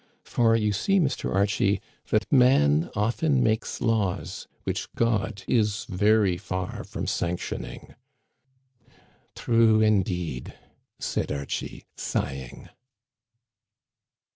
For, you see, Mr. Archie, that man often makes laws which God is very far from sanctioning." " True, indeed," said Archie, sighing.